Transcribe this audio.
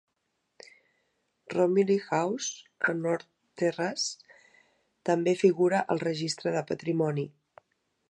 Romilly House a North Terrace també figura al registre de patrimoni.